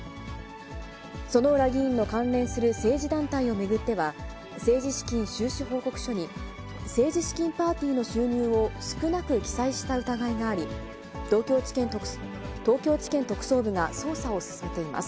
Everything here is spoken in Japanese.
薗浦議員の関連する政治団体を巡っては、政治資金収支報告書に、政治資金パーティーの収入を少なく記載した疑いがあり、東京地検特捜部が捜査を進めています。